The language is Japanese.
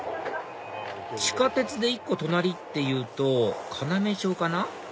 地下鉄で１個隣っていうと要町かな？